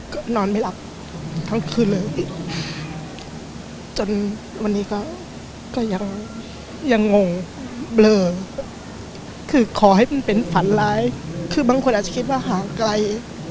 ก็นอนไม่หลับทั้งคืนเลยจนวันนี้ก็ยังยังงงเบลอคือขอให้มันเป็นฝันร้ายคือบางคนอาจจะคิดว่าห่างไกล